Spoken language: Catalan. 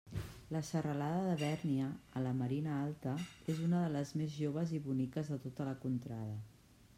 La serralada de Bèrnia, a la Marina Alta, és una de les més joves i boniques de tota la contrada.